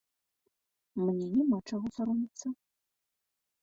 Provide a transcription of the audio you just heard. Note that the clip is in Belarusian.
Мне няма чаго саромецца.